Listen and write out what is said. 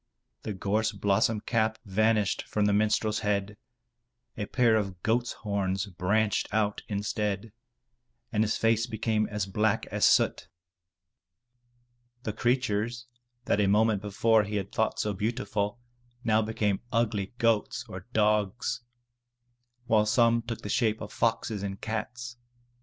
The gorse blossom cap vanished from the minstrel's head, a pair of goat's horns branched out instead, and his face became as black as soot. The creatures that a moment before he had thought so beautiful, now became ugly goats or dogs, while some took the shape of foxes and cats.